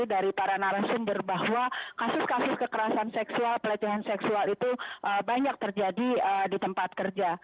dari para narasumber bahwa kasus kasus kekerasan seksual pelecehan seksual itu banyak terjadi di tempat kerja